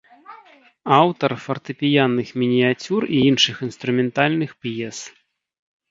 Аўтар фартэпіянных мініяцюр і іншых інструментальных п'ес.